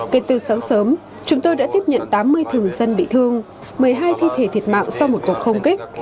kể từ sáng sớm chúng tôi đã tiếp nhận tám mươi thường dân bị thương một mươi hai thi thể thiệt mạng sau một cuộc không kích